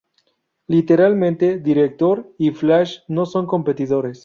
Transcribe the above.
Literalmente, Director y Flash no son competidores.